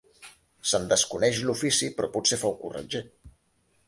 Se'n desconeix l'ofici, però potser fou corretger.